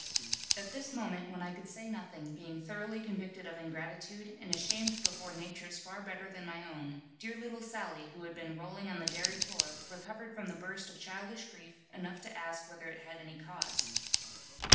At this moment, when I could say nothing, being thoroughly convicted of ingratitude, and ashamed before natures far better than my own, dear little Sally, who had been rolling on the dairy floor, recovered from the burst of childish grief enough to ask whether it had any cause.